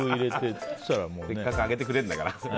せっかく揚げてくれるんだから。